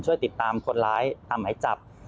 ช่วยติดตามคนล้ายเอามาให้จับ